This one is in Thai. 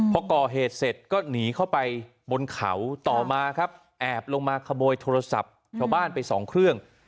พอก่อเหตุเสร็จก็หนีเข้าไปบนเขาต่อมาครับแอบลงมาขโมยโทรศัพท์ชาวบ้านไปสองเครื่อง